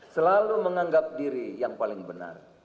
selalu menganggap diri yang paling benar